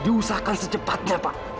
diusahkan secepatnya pak